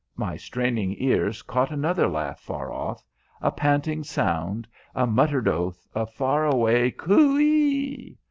My straining ears caught another laugh far off, a panting sound, a muttered oath, a far away "_Cooee!